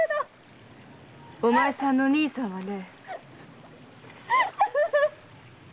お前さんの兄さんはね。